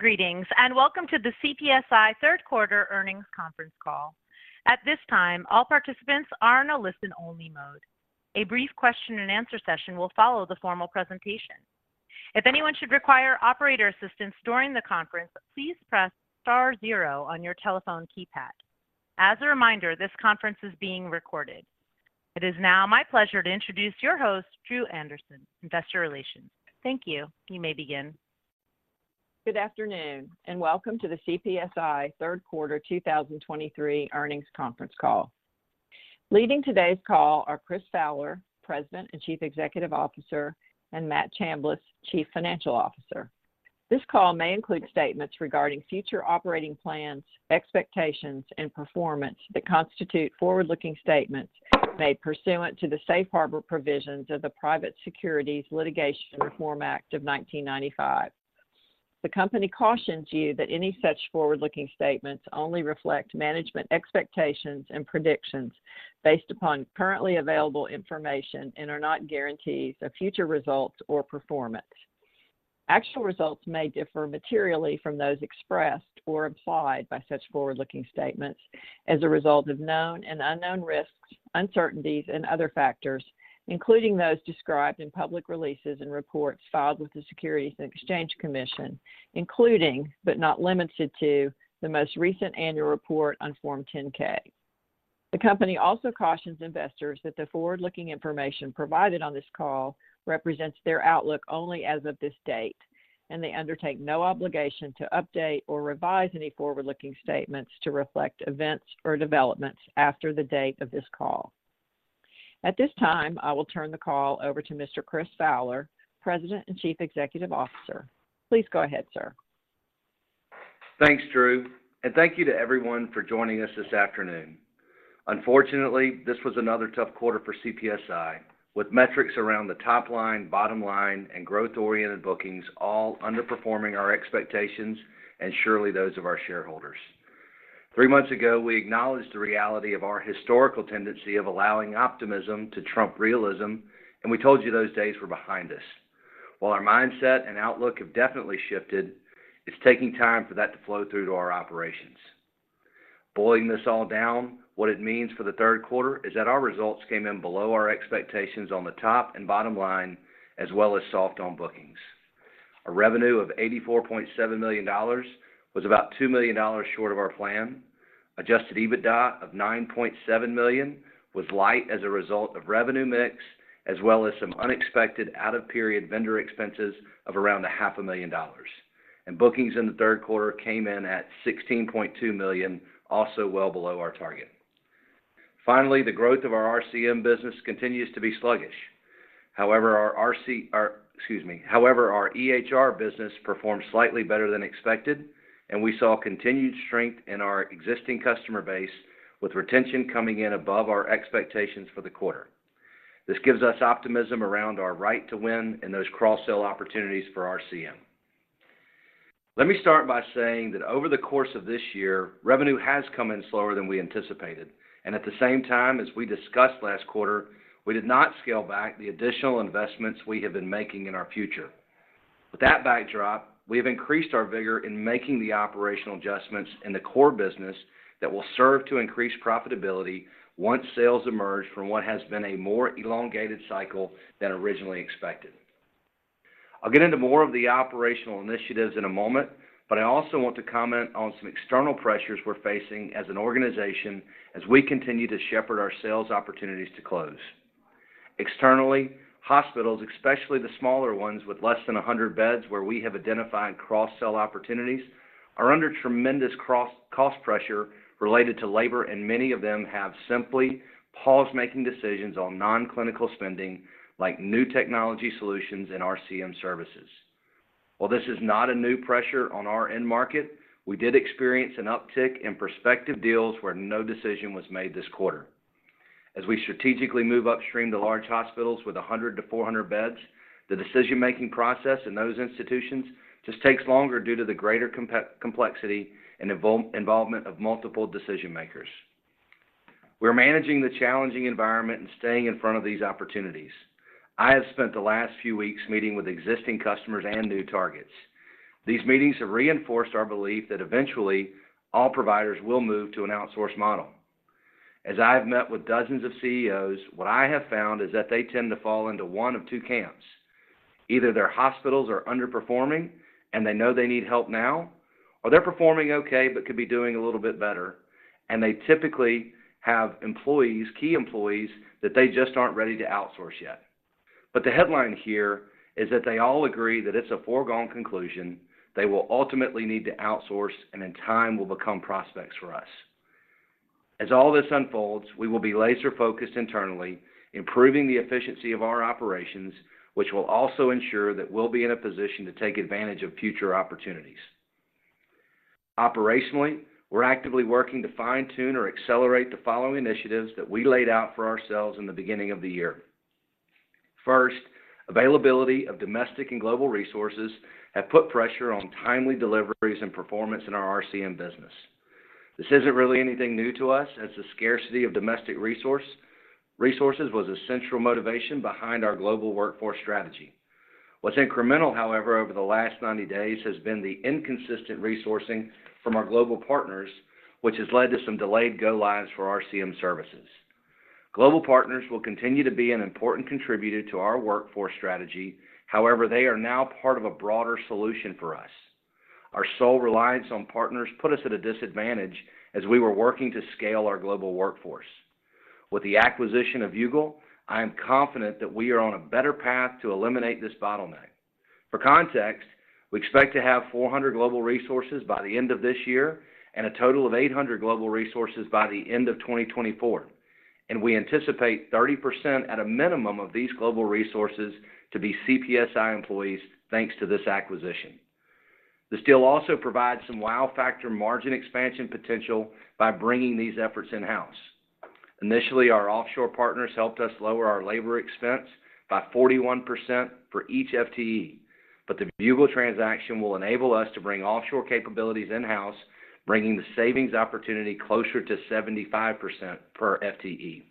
Greetings, and welcome to the CPSI third quarter earnings conference call. At this time, all participants are in a listen-only mode. A brief question-and-answer session will follow the formal presentation. If anyone should require operator assistance during the conference, please press star zero on your telephone keypad. As a reminder, this conference is being recorded. It is now my pleasure to introduce your host, Dru Anderson, Investor Relations. Thank you. You may begin. Good afternoon, and welcome to the CPSI third quarter 2023 earnings conference call. Leading today's call are Chris Fowler, President and Chief Executive Officer, and Matt Chambless, Chief Financial Officer. This call may include statements regarding future operating plans, expectations, and performance that constitute forward-looking statements made pursuant to the safe harbor provisions of the Private Securities Litigation Reform Act of 1995. The company cautions you that any such forward-looking statements only reflect management expectations and predictions based upon currently available information and are not guarantees of future results or performance. Actual results may differ materially from those expressed or implied by such forward-looking statements as a result of known and unknown risks, uncertainties, and other factors, including those described in public releases and reports filed with the Securities and Exchange Commission, including, but not limited to, the most recent annual report on Form 10-K. The company also cautions investors that the forward-looking information provided on this call represents their outlook only as of this date, and they undertake no obligation to update or revise any forward-looking statements to reflect events or developments after the date of this call. At this time, I will turn the call over to Mr. Chris Fowler, President and Chief Executive Officer. Please go ahead, sir. Thanks, Dru, and thank you to everyone for joining us this afternoon. Unfortunately, this was another tough quarter for CPSI, with metrics around the top line, bottom line, and growth-oriented bookings all underperforming our expectations and surely those of our shareholders. Three months ago, we acknowledged the reality of our historical tendency of allowing optimism to trump realism, and we told you those days were behind us. While our mindset and outlook have definitely shifted, it's taking time for that to flow through to our operations. Boiling this all down, what it means for the third quarter is that our results came in below our expectations on the top and bottom line, as well as soft on bookings. A revenue of $84.7 million was about $2 million short of our plan. Adjusted EBITDA of $9.7 million was light as a result of revenue mix, as well as some unexpected out-of-period vendor expenses of around $500,000. Bookings in the third quarter came in at $16.2 million, also well below our target. Finally, the growth of our RCM business continues to be sluggish. However, our RCM—excuse me, however, our EHR business performed slightly better than expected, and we saw continued strength in our existing customer base, with retention coming in above our expectations for the quarter. This gives us optimism around our right to win in those cross-sell opportunities for RCM. Let me start by saying that over the course of this year, revenue has come in slower than we anticipated, and at the same time, as we discussed last quarter, we did not scale back the additional investments we have been making in our future. With that backdrop, we have increased our vigor in making the operational adjustments in the core business that will serve to increase profitability once sales emerge from what has been a more elongated cycle than originally expected. I'll get into more of the operational initiatives in a moment, but I also want to comment on some external pressures we're facing as an organization as we continue to shepherd our sales opportunities to close. Externally, hospitals, especially the smaller ones with less than 100 beds, where we have identified cross-sell opportunities, are under tremendous cost pressure related to labor, and many of them have simply paused making decisions on non-clinical spending, like new technology solutions and RCM services. While this is not a new pressure on our end market, we did experience an uptick in prospective deals where no decision was made this quarter. As we strategically move upstream to large hospitals with 100 to 400 beds, the decision-making process in those institutions just takes longer due to the greater complexity and involvement of multiple decision makers. We're managing the challenging environment and staying in front of these opportunities. I have spent the last few weeks meeting with existing customers and new targets. These meetings have reinforced our belief that eventually all providers will move to an outsource model. As I have met with dozens of CEOs, what I have found is that they tend to fall into one of two camps: Either their hospitals are underperforming and they know they need help now, or they're performing okay, but could be doing a little bit better, and they typically have employees, key employees, that they just aren't ready to outsource yet. The headline here is that they all agree that it's a foregone conclusion they will ultimately need to outsource and in time will become prospects for us. As all this unfolds, we will be laser focused internally, improving the efficiency of our operations, which will also ensure that we'll be in a position to take advantage of future opportunities. Operationally, we're actively working to fine-tune or accelerate the following initiatives that we laid out for ourselves in the beginning of the year. First, availability of domestic and global resources have put pressure on timely deliveries and performance in our RCM business. This isn't really anything new to us, as the scarcity of domestic resources was a central motivation behind our global workforce strategy. What's incremental, however, over the last 90 days, has been the inconsistent resourcing from our global partners, which has led to some delayed go lives for RCM services. Global partners will continue to be an important contributor to our workforce strategy, however, they are now part of a broader solution for us. Our sole reliance on partners put us at a disadvantage as we were working to scale our global workforce. With the acquisition of Viewgol, I am confident that we are on a better path to eliminate this bottleneck. For context, we expect to have 400 global resources by the end of this year, and a total of 800 global resources by the end of 2024. We anticipate 30% at a minimum of these global resources to be CPSI employees, thanks to this acquisition. This deal also provides some wow factor margin expansion potential by bringing these efforts in-house. Initially, our offshore partners helped us lower our labor expense by 41% for each FTE, but the Viewgol transaction will enable us to bring offshore capabilities in-house, bringing the savings opportunity closer to 75% per FTE.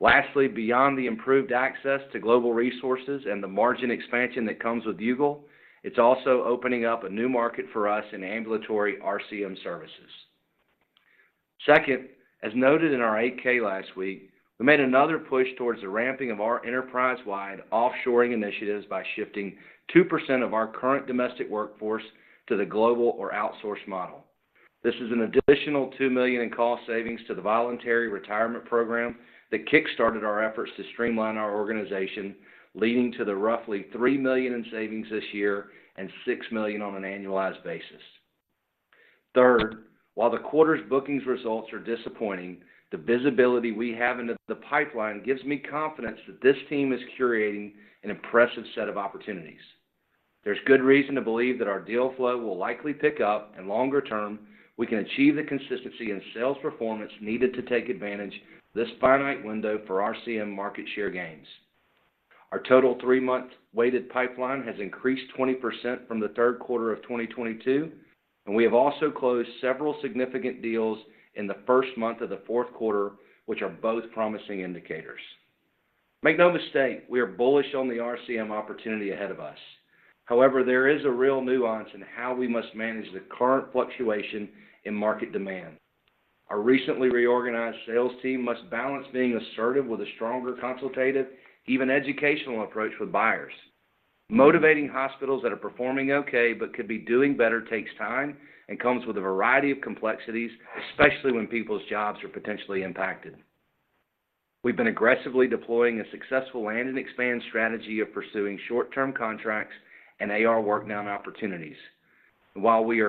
Lastly, beyond the improved access to global resources and the margin expansion that comes with Viewgol, it's also opening up a new market for us in ambulatory RCM services. Second, as noted in our 8-K last week, we made another push towards the ramping of our enterprise-wide offshoring initiatives by shifting 2% of our current domestic workforce to the global or outsource model. This is an additional $2 million in cost savings to the voluntary retirement program that kickstarted our efforts to streamline our organization, leading to the roughly $3 million in savings this year and $6 million on an annualized basis. Third, while the quarter's bookings results are disappointing, the visibility we have into the pipeline gives me confidence that this team is curating an impressive set of opportunities. There's good reason to believe that our deal flow will likely pick up, and longer term, we can achieve the consistency in sales performance needed to take advantage of this finite window for RCM market share gains. Our total three-month weighted pipeline has increased 20% from the third quarter of 2022, and we have also closed several significant deals in the first month of the fourth quarter, which are both promising indicators. Make no mistake, we are bullish on the RCM opportunity ahead of us. However, there is a real nuance in how we must manage the current fluctuation in market demand. Our recently reorganized sales team must balance being assertive with a stronger, consultative, even educational approach with buyers. Motivating hospitals that are performing okay, but could be doing better, takes time and comes with a variety of complexities, especially when people's jobs are potentially impacted. We've been aggressively deploying a successful land and expand strategy of pursuing short-term contracts and AR work down opportunities. While we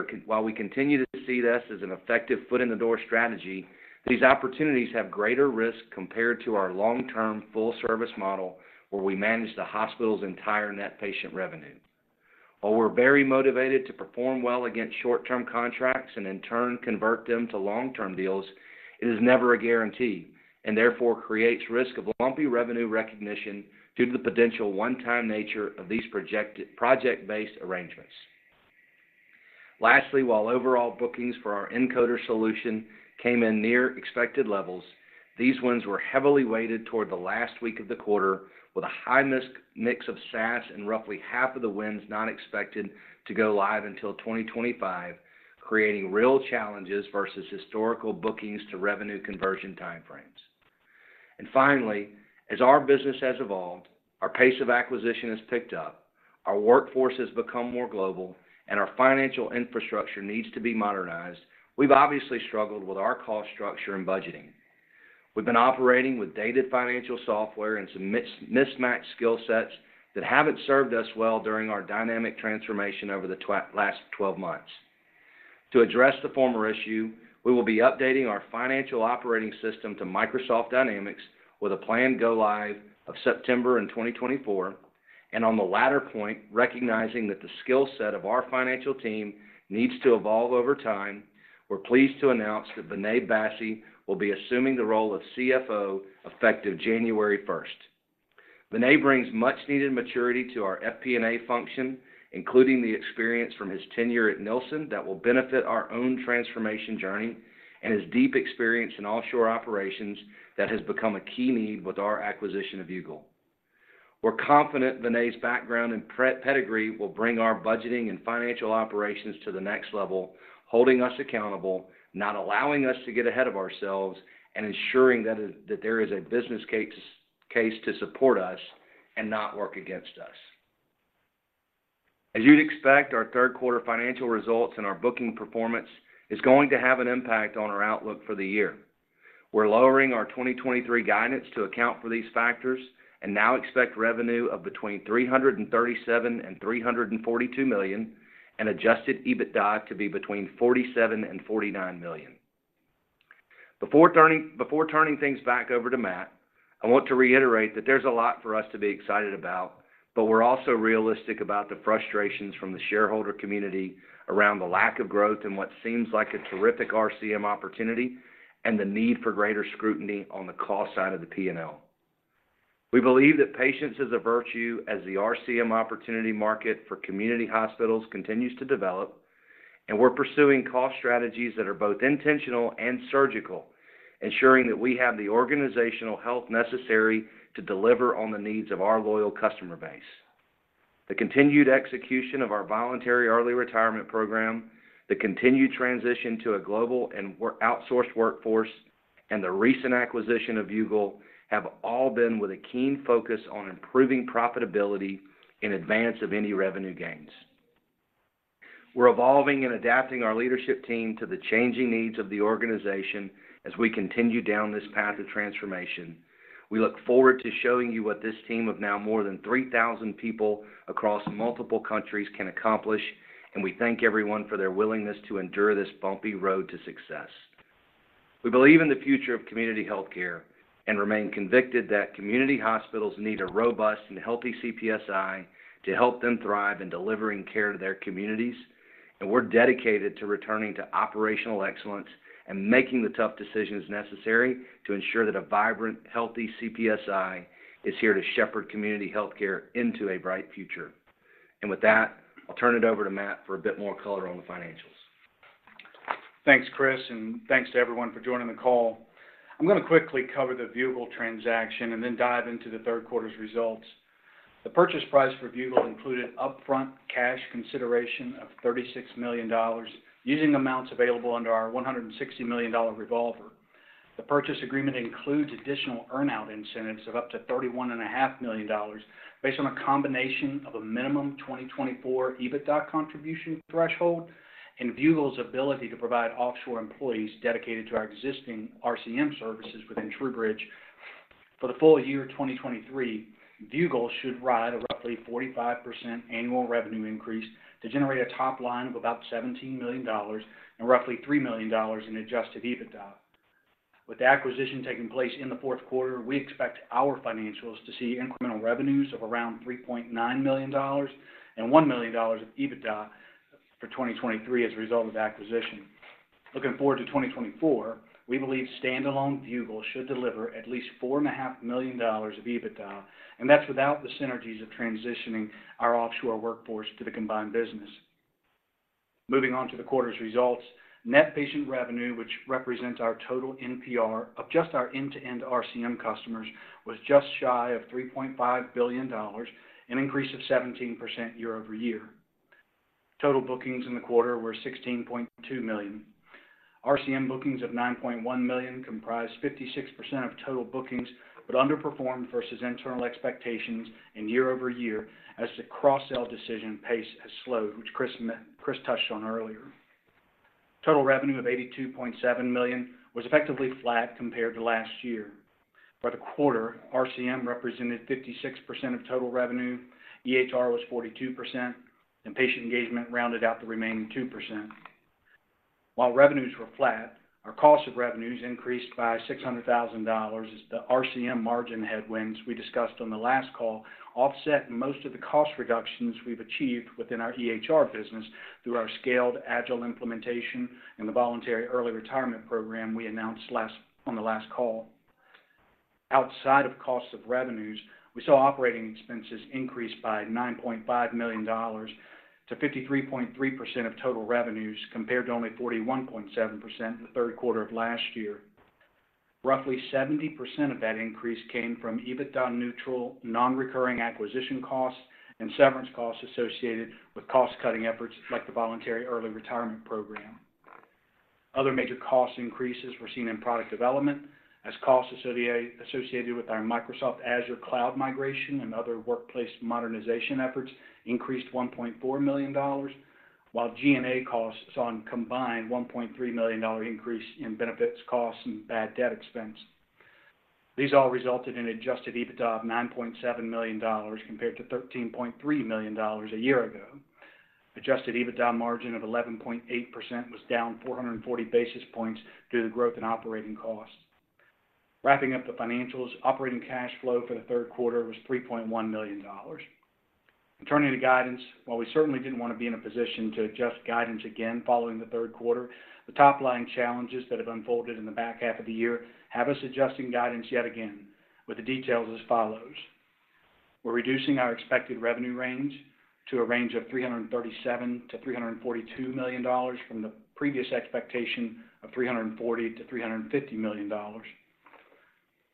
continue to see this as an effective foot-in-the-door strategy, these opportunities have greater risk compared to our long-term full service model, where we manage the hospital's entire net patient revenue. While we're very motivated to perform well against short-term contracts and in turn, convert them to long-term deals, it is never a guarantee, and therefore creates risk of lumpy revenue recognition due to the potential one-time nature of these project-based arrangements. Lastly, while overall bookings for our Encoder solution came in near expected levels, these wins were heavily weighted toward the last week of the quarter, with a high mix of SaaS and roughly half of the wins not expected to go live until 2025, creating real challenges versus historical bookings to revenue conversion time frames. Finally, as our business has evolved, our pace of acquisition has picked up, our workforce has become more global, and our financial infrastructure needs to be modernized, we've obviously struggled with our cost structure and budgeting. We've been operating with dated financial software and some mismatched skill sets that haven't served us well during our dynamic transformation over the last 12 months. To address the former issue, we will be updating our financial operating system to Microsoft Dynamics with a planned go-live of September 2024, and on the latter point, recognizing that the skill set of our financial team needs to evolve over time, we're pleased to announce that Vinay Bassi will be assuming the role of CFO effective January 1st. Vinay brings much needed maturity to our FP&A function, including the experience from his tenure at Nielsen, that will benefit our own transformation journey, and his deep experience in offshore operations that has become a key need with our acquisition of Viewgol. We're confident Vinay's background and proven pedigree will bring our budgeting and financial operations to the next level, holding us accountable, not allowing us to get ahead of ourselves, and ensuring that there is a business case to support us and not work against us. As you'd expect, our third quarter financial results and our booking performance is going to have an impact on our outlook for the year. We're lowering our 2023 guidance to account for these factors and now expect revenue of between $337 million and $342 million, and adjusted EBITDA to be between $47 million and $49 million. Before turning things back over to Matt, I want to reiterate that there's a lot for us to be excited about, but we're also realistic about the frustrations from the shareholder community around the lack of growth and what seems like a terrific RCM opportunity, and the need for greater scrutiny on the cost side of the P&L. We believe that patience is a virtue as the RCM opportunity market for community hospitals continues to develop, and we're pursuing cost strategies that are both intentional and surgical, ensuring that we have the organizational health necessary to deliver on the needs of our loyal customer base. The continued execution of our voluntary early retirement program, the continued transition to a global workforce and outsourced workforce, and the recent acquisition of Viewgol, have all been with a keen focus on improving profitability in advance of any revenue gains. We're evolving and adapting our leadership team to the changing needs of the organization as we continue down this path of transformation. We look forward to showing you what this team of now more than 3,000 people across multiple countries can accomplish, and we thank everyone for their willingness to endure this bumpy road to success. We believe in the future of community healthcare and remain convicted that community hospitals need a robust and healthy CPSI to help them thrive in delivering care to their communities, and we're dedicated to returning to operational excellence and making the tough decisions necessary to ensure that a vibrant, healthy CPSI is here to shepherd community healthcare into a bright future. With that, I'll turn it over to Matt for a bit more color on the financials. Thanks, Chris, and thanks to everyone for joining the call. I'm gonna quickly cover the Viewgol transaction and then dive into the third quarter's results. The purchase price for Viewgol included upfront cash consideration of $36 million, using amounts available under our $160 million revolver. The purchase agreement includes additional earn-out incentives of up to $31.5 million based on a combination of a minimum 2024 EBITDA contribution threshold and Viewgol's ability to provide offshore employees dedicated to our existing RCM services within TruBridge. For the full year 2023, Viewgol should ride a roughly 45% annual revenue increase to generate a top line of about $17 million and roughly $3 million in adjusted EBITDA. With the acquisition taking place in the fourth quarter, we expect our financials to see incremental revenues of around $3.9 million and $1 million of EBITDA for 2023 as a result of the acquisition. Looking forward to 2024, we believe standalone Viewgol should deliver at least $4.5 million of EBITDA, and that's without the synergies of transitioning our offshore workforce to the combined business. Moving on to the quarter's results, net patient revenue, which represents our total NPR of just our end-to-end RCM customers, was just shy of $3.5 billion, an increase of 17% year-over-year. Total bookings in the quarter were $16.2 million. RCM bookings of $9.1 million comprised 56% of total bookings, but underperformed versus internal expectations and year-over-year as the cross-sell decision pace has slowed, which Chris touched on earlier. Total revenue of $82.7 million was effectively flat compared to last year. For the quarter, RCM represented 56% of total revenue, EHR was 42%, and patient engagement rounded out the remaining 2%. While revenues were flat, our cost of revenues increased by $600,000 as the RCM margin headwinds we discussed on the last call offset most of the cost reductions we've achieved within our EHR business through our Scaled Agile implementation and the voluntary early retirement program we announced on the last call. Outside of cost of revenues, we saw operating expenses increase by $9.5 million to 53.3% of total revenues, compared to only 41.7% in the third quarter of last year. Roughly 70% of that increase came from EBITDA-neutral, non-recurring acquisition costs and severance costs associated with cost-cutting efforts like the voluntary early retirement program. Other major cost increases were seen in product development, as costs associated with our Microsoft Azure cloud migration and other workplace modernization efforts increased $1.4 million, while G&A costs saw a combined $1.3 million increase in benefits costs and bad debt expense. These all resulted in adjusted EBITDA of $9.7 million, compared to $13.3 million a year ago. Adjusted EBITDA margin of 11.8% was down 440 basis points due to the growth in operating costs. Wrapping up the financials, operating cash flow for the third quarter was $3.1 million. And turning to guidance, while we certainly didn't want to be in a position to adjust guidance again following the third quarter, the top-line challenges that have unfolded in the back half of the year have us adjusting guidance yet again, with the details as follows: We're reducing our expected revenue range to a range of $337 million-$342 million from the previous expectation of $340 million-$350 million.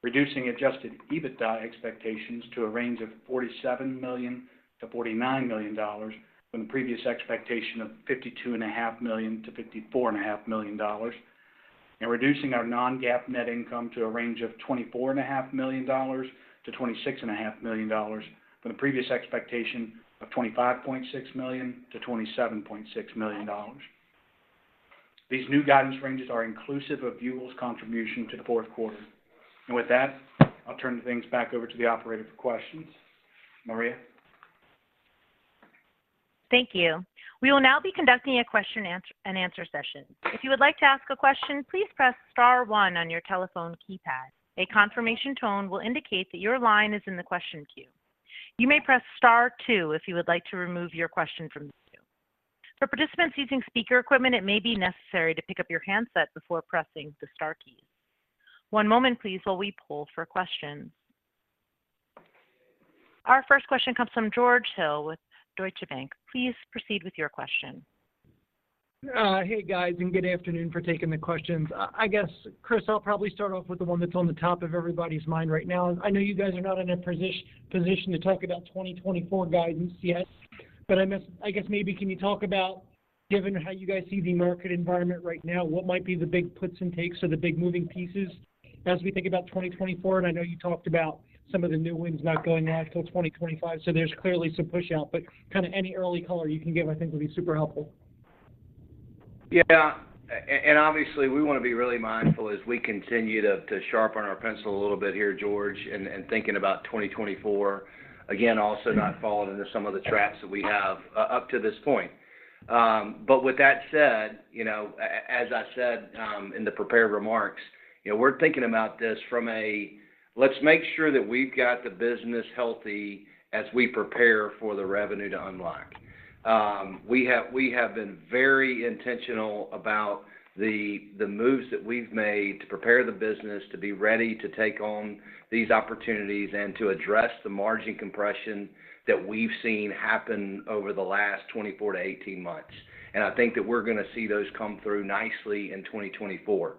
Reducing adjusted EBITDA expectations to a range of $47 million-$49 million from the previous expectation of $52.5 million-$54.5 million. And reducing our non-GAAP net income to a range of $24.5 million-$26.5 million, from the previous expectation of $25.6 million-$27.6 million. These new guidance ranges are inclusive of Viewgol's contribution to the fourth quarter. And with that, I'll turn things back over to the operator for questions. Maria? Thank you. We will now be conducting a question-and-answer session. If you would like to ask a question, please press star one on your telephone keypad. A confirmation tone will indicate that your line is in the question queue. You may press star two if you would like to remove your question from the queue. For participants using speaker equipment, it may be necessary to pick up your handset before pressing the star key. One moment, please, while we poll for questions. Our first question comes from George Hill with Deutsche Bank. Please proceed with your question. Hey, guys, and good afternoon for taking the questions. I guess, Chris, I'll probably start off with the one that's on the top of everybody's mind right now. I know you guys are not in a position to talk about 2024 guidance yet, but I guess maybe can you talk about, given how you guys see the market environment right now, what might be the big puts and takes or the big moving pieces as we think about 2024? And I know you talked about some of the new wins not going on until 2025, so there's clearly some pushout, but kind of any early color you can give, I think, will be super helpful. Yeah. And obviously, we want to be really mindful as we continue to sharpen our pencil a little bit here, George, and thinking about 2024, again, also not falling into some of the traps that we have up to this point. But with that said, you know, as I said in the prepared remarks, you know, we're thinking about this from a, "Let's make sure that we've got the business healthy as we prepare for the revenue to unlock." We have been very intentional about the moves that we've made to prepare the business to be ready to take on these opportunities and to address the margin compression that we've seen happen over the last 24-18 months. And I think that we're going to see those come through nicely in 2024.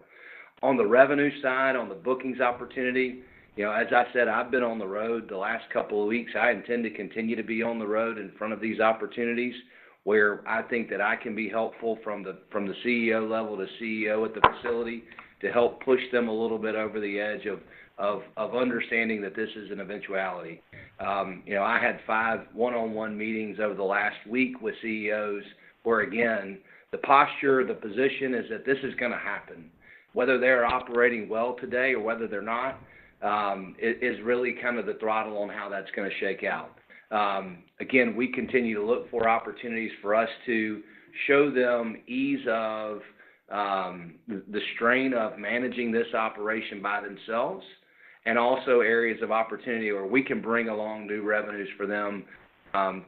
On the revenue side, on the bookings opportunity, you know, as I said, I've been on the road the last couple of weeks. I intend to continue to be on the road in front of these opportunities, where I think that I can be helpful from the CEO level, the CEO at the facility, to help push them a little bit over the edge of understanding that this is an eventuality. You know, I had five one-on-one meetings over the last week with CEOs, where, again, the posture, the position is that this is going to happen. Whether they're operating well today or whether they're not, is really kind of the throttle on how that's going to shake out. Again, we continue to look for opportunities for us to show them ease of the strain of managing this operation by themselves, and also areas of opportunity where we can bring along new revenues for them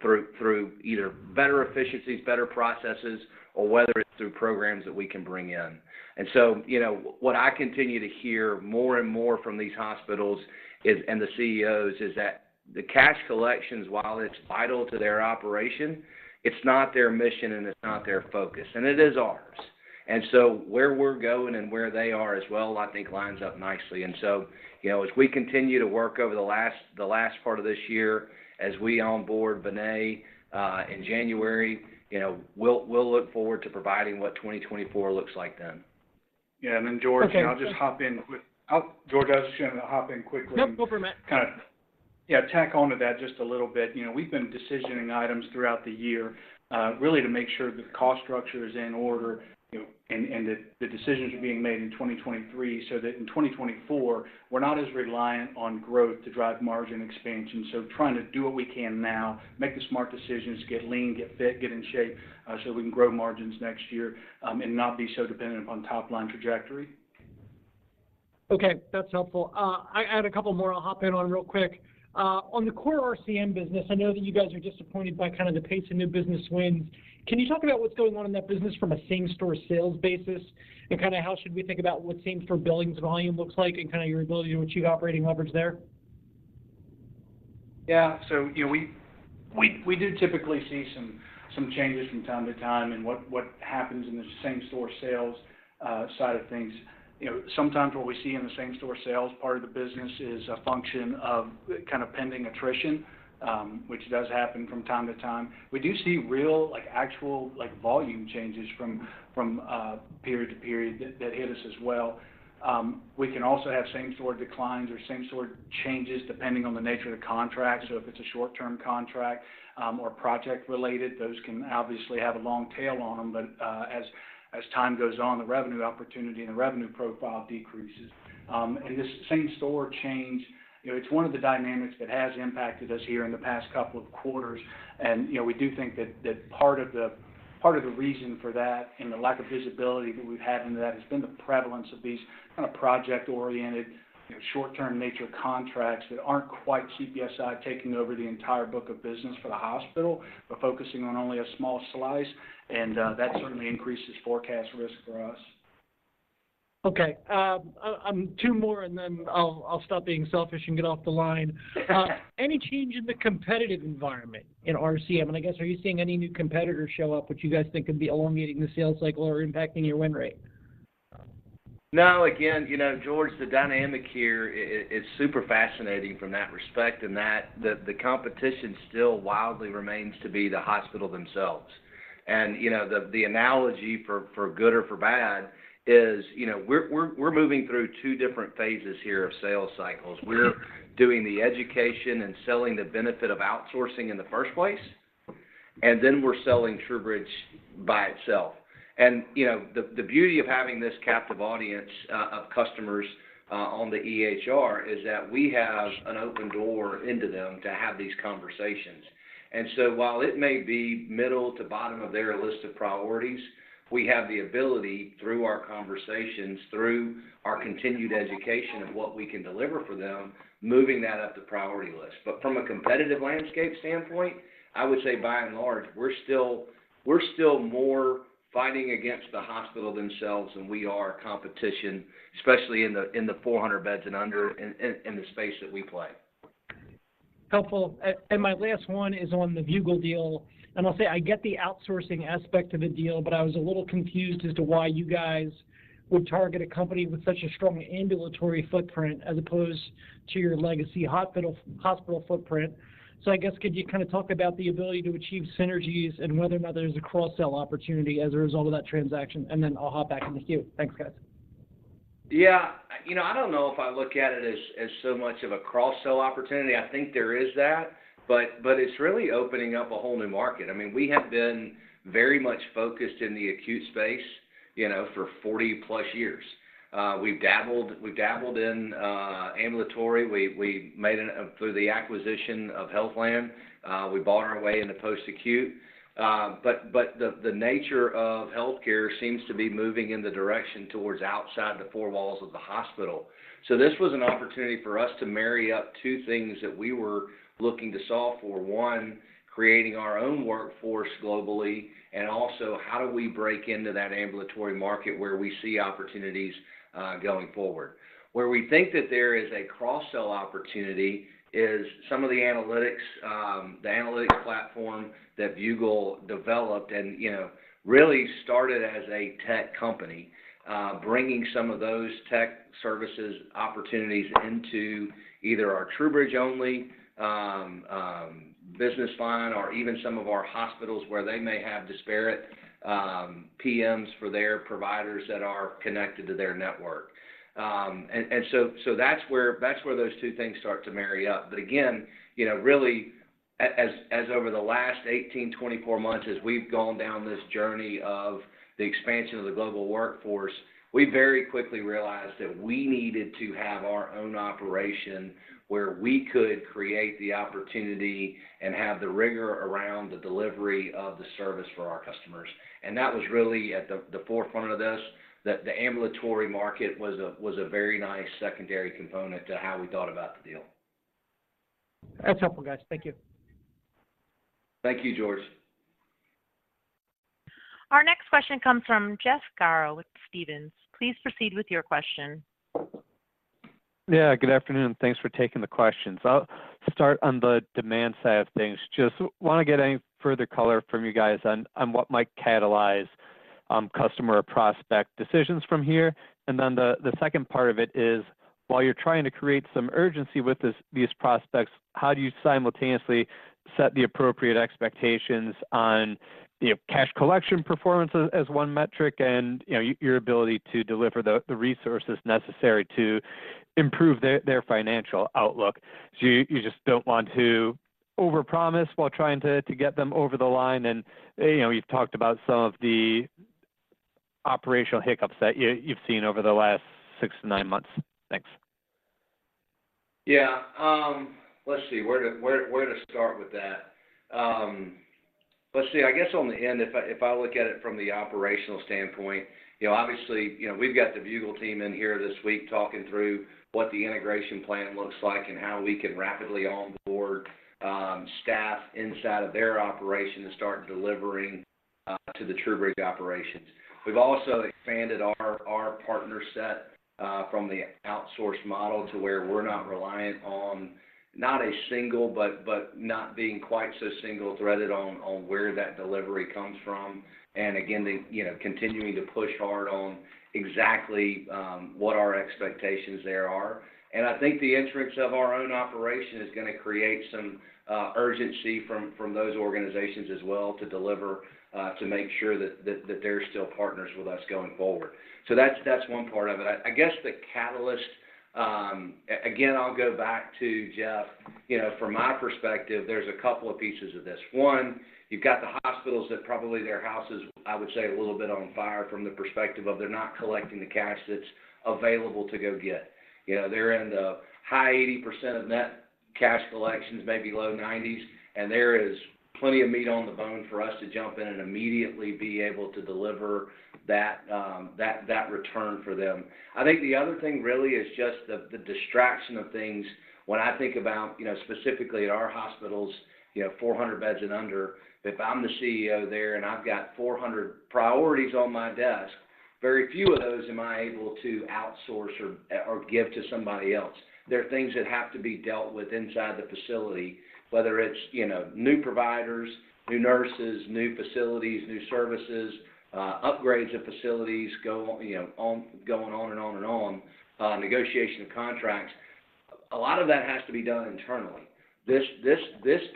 through either better efficiencies, better processes, or whether it's through programs that we can bring in. And so, you know, what I continue to hear more and more from these hospitals is, and the CEOs, is that the cash collections, while it's vital to their operation, it's not their mission, and it's not their focus, and it is ours. And so where we're going and where they are as well, I think lines up nicely. And so, you know, as we continue to work over the last part of this year, as we onboard Vinay in January, you know, we'll look forward to providing what 2024 looks like then. Yeah, and then, George— Okay. I'll just hop in quick. I'll, George, I was just going to hop in quickly. Nope, go for it, Matt. Kind of, yeah, tack on to that just a little bit. You know, we've been decisioning items throughout the year, really to make sure the cost structure is in order, you know, and, and that the decisions are being made in 2023, so that in 2024, we're not as reliant on growth to drive margin expansion. So trying to do what we can now, make the smart decisions, get lean, get fit, get in shape, so we can grow margins next year, and not be so dependent upon top-line trajectory. Okay, that's helpful. I had a couple more I'll hop in on real quick. On the core RCM business, I know that you guys are disappointed by kind of the pace of new business wins. Can you talk about what's going on in that business from a same-store sales basis, and kind of how should we think about what same-store billings volume looks like and kind of your ability to achieve operating leverage there? Yeah. So, you know, we do typically see some changes from time to time and what happens in the same-store sales side of things. You know, sometimes what we see in the same-store sales part of the business is a function of kind of pending attrition, which does happen from time to time. We do see real, like, actual, like, volume changes from period to period that hit us as well. We can also have same-store declines or same-store changes, depending on the nature of the contract. So if it's a short-term contract or project related, those can obviously have a long tail on them. But, as time goes on, the revenue opportunity and the revenue profile decreases. And this same-store change, you know, it's one of the dynamics that has impacted us here in the past couple of quarters. And, you know, we do think that part of the reason for that and the lack of visibility that we've had into that has been the prevalence of these kind of project-oriented, you know, short-term nature contracts that aren't quite CPSI taking over the entire book of business for the hospital, but focusing on only a small slice, and that certainly increases forecast risk for us. Okay, two more, and then I'll stop being selfish and get off the line. Any change in the competitive environment in RCM? And I guess, are you seeing any new competitors show up, which you guys think could be elongating the sales cycle or impacting your win rate? No, again, you know, George, the dynamic here is super fascinating from that respect, and that, the competition still wildly remains to be the hospital themselves. And, you know, the analogy, for good or for bad, is, you know, we're moving through two different phases here of sales cycles. We're doing the education and selling the benefit of outsourcing in the first place, and then we're selling TruBridge by itself. And, you know, the beauty of having this captive audience of customers on the EHR is that we have an open door into them to have these conversations. And so while it may be middle to bottom of their list of priorities, we have the ability, through our conversations, through our continued education of what we can deliver for them, moving that up the priority list. But from a competitive landscape standpoint, I would say by and large, we're still more fighting against the hospital themselves than we are competition, especially in the space that we play. Helpful. And my last one is on the Viewgol deal, and I'll say I get the outsourcing aspect of the deal, but I was a little confused as to why you guys would target a company with such a strong ambulatory footprint as opposed to your legacy hospital footprint. So I guess, could you kind of talk about the ability to achieve synergies and whether or not there's a cross-sell opportunity as a result of that transaction? And then I'll hop back in the queue. Thanks, guys. Yeah. You know, I don't know if I look at it as, as so much of a cross-sell opportunity. I think there is that, but, but it's really opening up a whole new market. I mean, we have been very much focused in the acute space, you know, for 40+ years. We've dabbled, we've dabbled in ambulatory. Through the acquisition of Healthland, we bought our way into post-acute. But, the nature of healthcare seems to be moving in the direction towards outside the four walls of the hospital. So this was an opportunity for us to marry up two things that we were looking to solve for: one, creating our own workforce globally, and also, how do we break into that ambulatory market where we see opportunities going forward? Where we think that there is a cross-sell opportunity is some of the analytics, the analytics platform that Viewgol developed and, you know, really started as a tech company, bringing some of those tech services opportunities into either our TruBridge only business line or even some of our hospitals where they may have disparate PMs for their providers that are connected to their network. And so that's where those two things start to marry up. But again, you know, really, as over the last 18, 24 months, as we've gone down this journey of the expansion of the global workforce, we very quickly realized that we needed to have our own operation where we could create the opportunity and have the rigor around the delivery of the service for our customers. That was really at the forefront of this, that the ambulatory market was a very nice secondary component to how we thought about the deal. That's helpful, guys. Thank you. Thank you, George. Our next question comes from Jeff Garro with Stephens. Please proceed with your question. Yeah, good afternoon, and thanks for taking the questions. I'll start on the demand side of things. Just want to get any further color from you guys on what might catalyze customer or prospect decisions from here. And then the second part of it is, while you're trying to create some urgency with these prospects, how do you simultaneously set the appropriate expectations on, you know, cash collection performance as one metric, and, you know, your ability to deliver the resources necessary to improve their financial outlook? So you just don't want to overpromise while trying to get them over the line, and, you know, you've talked about some of the operational hiccups that you've seen over the last six to nine months. Thanks. Yeah. Let's see, where to start with that? Let's see. I guess on the end, if I look at it from the operational standpoint, you know, obviously, you know, we've got the Viewgol team in here this week talking through what the integration plan looks like and how we can rapidly onboard staff inside of their operation to start delivering to the TruBridge operations. We've also expanded our partner set from the outsource model to where we're not reliant on not a single, but not being quite so single-threaded on where that delivery comes from. And again, you know, continuing to push hard on exactly what our expectations there are. I think the entrance of our own operation is gonna create some urgency from those organizations as well to deliver to make sure that they're still partners with us going forward. So that's one part of it. I guess the catalyst again, I'll go back to Jeff. You know, from my perspective, there's a couple of pieces of this. One, you've got the hospitals that probably their house is, I would say, a little bit on fire from the perspective of they're not collecting the cash that's available to go get. You know, they're in the high 80% of net cash collections, maybe low 90s, and there is plenty of meat on the bone for us to jump in and immediately be able to deliver that return for them. I think the other thing really is just the distraction of things. When I think about, you know, specifically at our hospitals, you know, 400 beds and under, if I'm the CEO there, and I've got 400 priorities on my desk, very few of those am I able to outsource or give to somebody else. There are things that have to be dealt with inside the facility, whether it's, you know, new providers, new nurses, new facilities, new services, upgrades of facilities, you know, going on and on and on, negotiation of contracts. A lot of that has to be done internally. This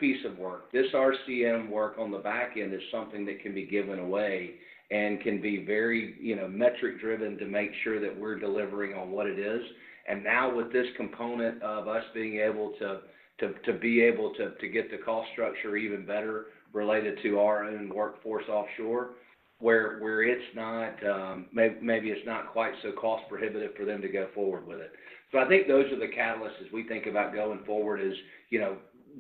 piece of work, this RCM work on the back end, is something that can be given away and can be very, you know, metric-driven to make sure that we're delivering on what it is. And now with this component of us being able to get the cost structure even better related to our own workforce offshore, where it's not, maybe it's not quite so cost prohibitive for them to go forward with it. So I think those are the catalysts as we think about going forward is, you know,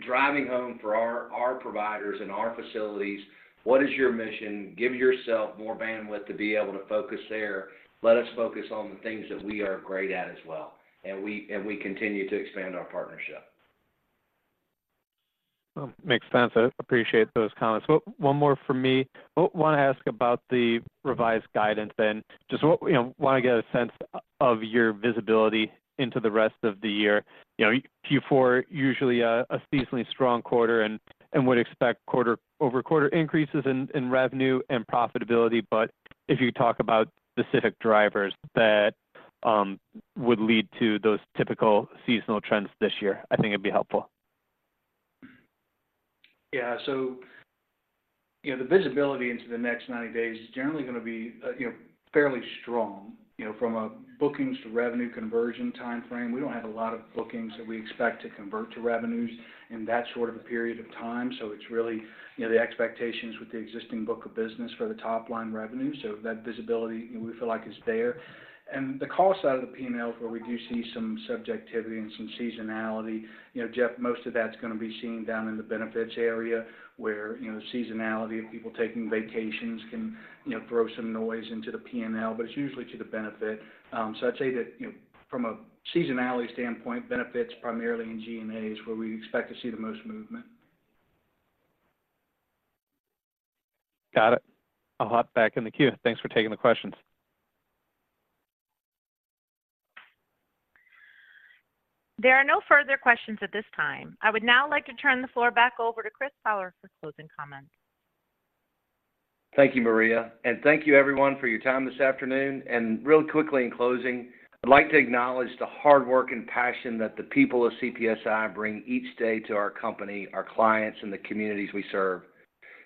driving home for our providers and our facilities, what is your mission? Give yourself more bandwidth to be able to focus there. Let us focus on the things that we are great at as well, and we continue to expand our partnership. Well, makes sense. I appreciate those comments. Well, one more from me. I want to ask about the revised guidance then. Just want, you know, to get a sense of your visibility into the rest of the year. You know, Q4, usually a seasonally strong quarter and would expect quarter-over-quarter increases in revenue and profitability. But if you talk about specific drivers that would lead to those typical seasonal trends this year, I think it'd be helpful. Yeah. So, you know, the visibility into the next 90 days is generally going to be, you know, fairly strong. You know, from a bookings-to-revenue conversion time frame, we don't have a lot of bookings that we expect to convert to revenues in that short of a period of time. So it's really, you know, the expectations with the existing book of business for the top line revenue. So that visibility, we feel like, is there. And the cost side of the P&L is where we do see some subjectivity and some seasonality. You know, Jeff, most of that's gonna be seen down in the benefits area, where, you know, seasonality of people taking vacations can, you know, throw some noise into the P&L, but it's usually to the benefit. So, I'd say that, you know, from a seasonality standpoint, benefits primarily in G&A is where we expect to see the most movement. Got it. I'll hop back in the queue. Thanks for taking the questions. There are no further questions at this time. I would now like to turn the floor back over to Chris Fowler for closing comments. Thank you, Maria, and thank you everyone for your time this afternoon. Real quickly in closing, I'd like to acknowledge the hard work and passion that the people of CPSI bring each day to our company, our clients, and the communities we serve.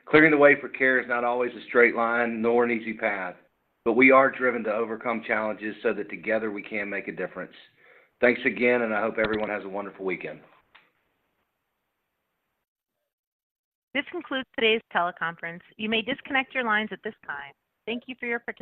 Clearing the way for care is not always a straight line nor an easy path, but we are driven to overcome challenges so that together we can make a difference. Thanks again, and I hope everyone has a wonderful weekend. This concludes today's teleconference. You may disconnect your lines at this time. Thank you for your participation.